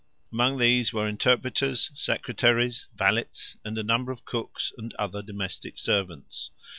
Among these were interpreters, secretaries, valets, and a number of cooks and other domestic servants.